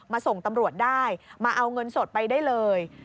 ส่งตำรวจได้มาเอาเงินสดไปได้เลย